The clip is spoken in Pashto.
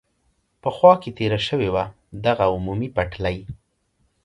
په خوا کې تېره شوې وه، دغه عمومي پټلۍ.